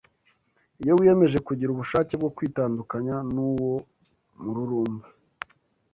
Iyo wiyemeje kugira ubushake bwo kwitandukanya n’uwo mururumba